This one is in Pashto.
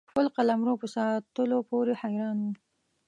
خپل قلمرو په ساتلو پوري حیران وو.